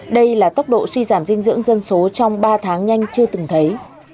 đây là tốc độ suy giảm dinh dưỡng dân số trong ba tháng nhanh chưa từng thấy